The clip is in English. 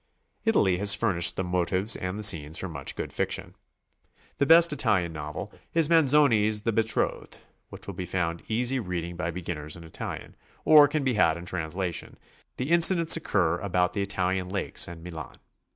Italy has furnished the motives and the scenes for much good fiction. The best Italian novel is Manzoni's "The Betrothed," which will be found easy reading by beginners in Italian, or can be had in translation; the incidents occur about the Italian Lakes and Milan.